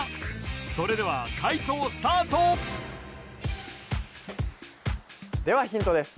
それでは解答スタートではヒントです